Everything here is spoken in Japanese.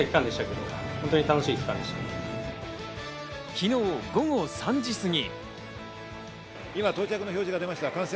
昨日午後３時過ぎ。